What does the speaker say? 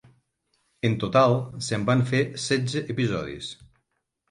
En total se'n van fer setze episodis.